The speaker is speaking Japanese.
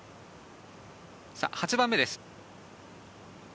８番目です。